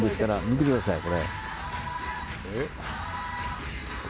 見てくださいよ。